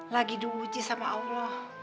lagi diuji sama allah